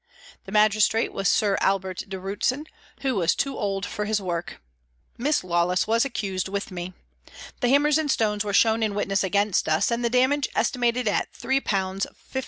The magistrate was Sir Albert de Rutzen, who was too old for his work. Miss Lawless was accused with me. The hammers and stones were shown in witness against us, and the damage estimated at 3 1,5s.